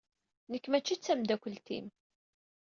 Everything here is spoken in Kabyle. Nekk mačči d tameddakelt-im.